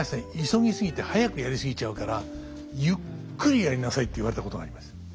急ぎ過ぎて早くやり過ぎちゃうからゆっくりやりなさい」って言われたことがあります。